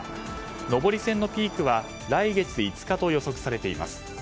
上り線のピークは来月５日と予測されています。